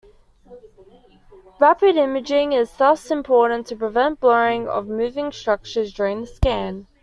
Rapid imaging is, thus, important to prevent blurring of moving structures during the scan.